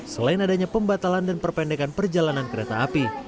selain adanya pembatalan dan perpendekan perjalanan kereta api